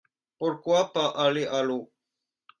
Pourquoi pas aller à l’eau ?